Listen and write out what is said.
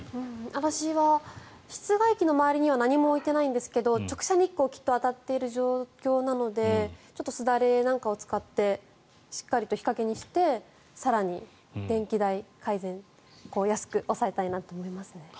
私は室外機の周りには何も置いてないんですが多分、直射日光が当たっている状況なのですだれなんかを使ってしっかりと日陰にして更に電気代を改善安く抑えたいと思います。